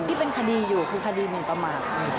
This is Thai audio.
ที่เป็นคดีอยู่คือคดีหมินประมาท